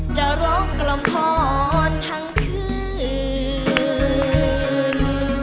จะร้องกล่องผ่อนทั้งคืน